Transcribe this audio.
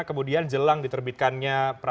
kemudian jelang diterbitkannya